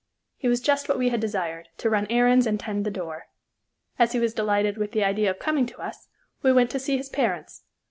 He was just what we had desired, to run errands and tend the door. As he was delighted with the idea of coming to us, we went to see his parents.